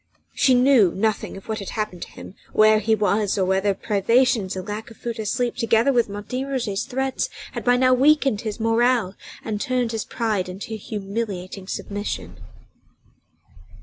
She knew nothing of what had happened to him, where he was, nor whether privations and lack of food or sleep, together with Martin Roget's threats, had by now weakened his morale and turned his pride into humiliating submission.